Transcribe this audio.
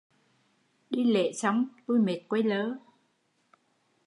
Đi lễ xong tui mệt quay lơ